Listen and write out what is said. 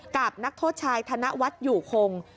กับนักโทษชายธนวัฒน์อยู่คง